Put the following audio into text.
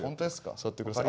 座ってください。